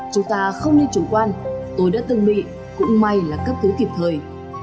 chúng ta không nên chủ quan tôi đã từng bị cũng may là cấp cứu kịp thời